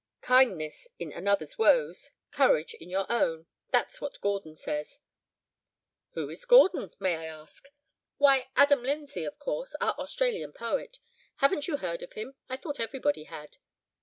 'Kindness in another's woes, courage in your own,' that's what Gordon says." "Who is Gordon, may I ask?" "Why, Adam Lindsay, of course, our Australian poet. Haven't you heard of him? I thought everybody had."